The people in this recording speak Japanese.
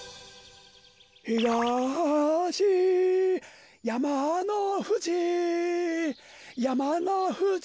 ひがしやまのふじやまのふじ。